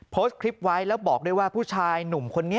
โพสต์คลิปไว้แล้วบอกด้วยว่าผู้ชายหนุ่มคนนี้